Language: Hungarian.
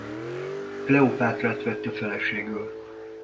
Kleopátrát vette feleségül.